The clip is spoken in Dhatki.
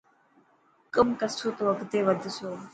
ڪم ڪرسو ته اڳتي وڌسو.